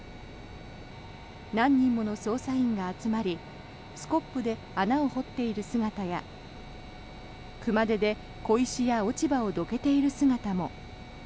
何人もの捜査員が集まりスコップで穴を掘っている姿や熊手で小石や落ち葉をどけている姿も。